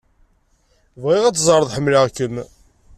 Bɣiɣ ad teẓreḍ ḥemmleɣ-kem.